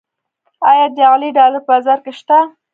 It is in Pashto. آیا جعلي ډالر په بازار کې شته؟